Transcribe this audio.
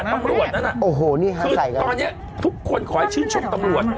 ตำรวจน่ะน่ะโอ้โหนี่ฮะใส่กันคือตอนเนี้ยทุกคนขอให้ชื่นชมตำรวจ